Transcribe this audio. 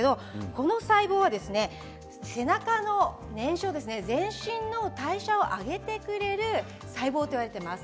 この細胞は背中の燃焼全身の代謝を上げてくれる細胞といわれています。